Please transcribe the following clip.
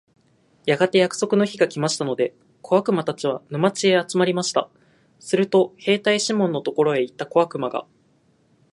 やがて約束の日が来ましたので、小悪魔たちは、沼地へ集まりました。すると兵隊シモンのところへ行った小悪魔が、